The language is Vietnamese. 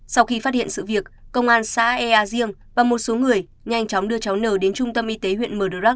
sau khi phát hiện sự việc công an xã ea diêng và một số người nhanh chóng đưa cháu n đến trung tâm y tế huyện mờ rắc